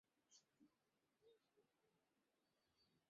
সেই নির্বাচনে জয়ী হয়ে টানা দ্বিতীয় মেয়াদে সরকার গঠন করে আওয়ামী লীগ।